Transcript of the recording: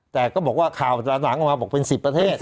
แต่ก็บอกว่าข่าวหลังออกมาบอกเป็น๑๐ประเทศ